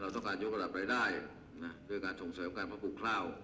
ต้องการยกระดับรายได้ด้วยการส่งเสริมการมาปลูกข้าว